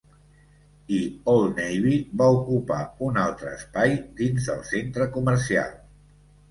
I Old Navy va ocupar un altre espai dins del centre comercial.